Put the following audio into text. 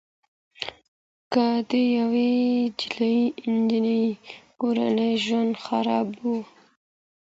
که د يوې نجلۍ کورنی ژوند خراب وو